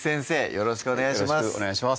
よろしくお願いします